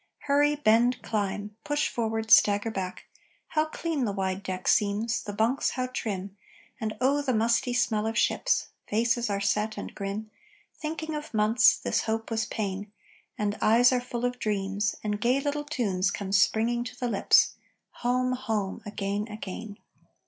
Hurry, bend, climb, Push forward, stagger back! How clean the wide deck seems, The bunks, how trim; And, oh, the musty smell of ships! Faces are set and grim, Thinking of months, this hope was pain; And eyes are full of dreams, And gay little tunes come springing to the lips Home, home, again, again!